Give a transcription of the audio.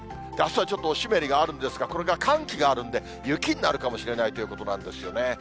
あすはちょっとお湿りがあるんですが、これから寒気があるんで、雪になるかもしれないということなんですよね。